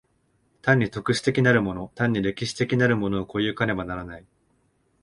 単に特殊的なるもの単に歴史的なるものを越え行かねばならない。